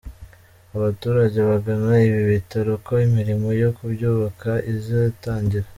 abaturage bagana ibi bitaro ko imirimo yo kubyubaka izatangira